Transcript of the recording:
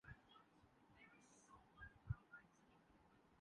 غربت کدے میں کس سے تری گفتگو کریں